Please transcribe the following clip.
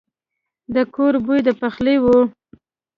د کور بوی د پخلي وو.